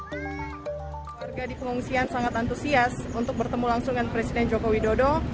keluarga di pengungsian sangat antusias untuk bertemu langsung dengan presiden joko widodo